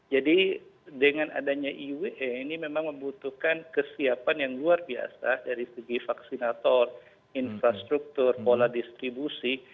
jadi dengan adanya eua ini memang membutuhkan kesiapan yang luar biasa dari segi vaksinator infrastruktur pola distribusi